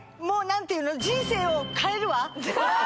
もう何ていうの人生を変えるわ！